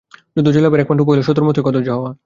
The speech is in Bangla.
যুদ্ধে জয়লাভের একমাত্র উপায় হল শত্রুর মতোই কদর্য হওয়া।